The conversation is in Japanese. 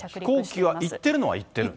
飛行機は行ってるのは行ってるんですね。